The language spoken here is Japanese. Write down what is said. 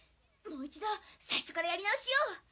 もう一度最初からやり直しよ！